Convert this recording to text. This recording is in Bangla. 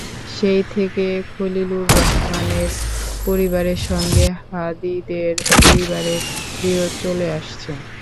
সেই থেকে খলিলুর রহমানের পরিবারের সঙ্গে হাদিদের পরিবারের বিরোধ চলে আসছে।